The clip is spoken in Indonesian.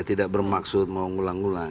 tidak bermaksud mau ngulang ulang